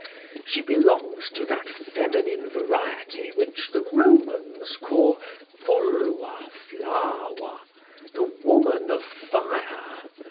She belongs to that feminine variety which the Romans call fulva, flava the woman of fire.